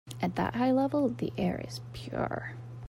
At that high level the air is pure.